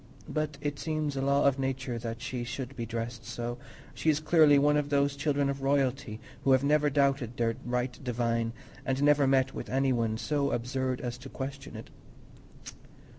But it seems a law of nature that she should be dressed so: she is clearly one of those children of royalty who have never doubted their right divine and never met with any one so absurd as to question it.